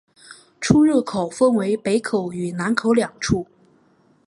出入口分为北口与南口两处。